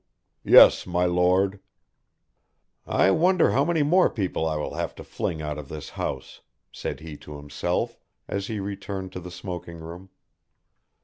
"Yes, my Lord." "I wonder how many more people I will have to fling out of this house," said he to himself, as he returned to the smoking room.